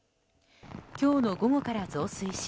今日の午後から増水し